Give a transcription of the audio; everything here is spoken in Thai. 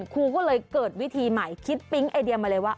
ครูก็เลยเกิดวิธีใหม่คิดปิ๊งไอเดียมาเลยว่า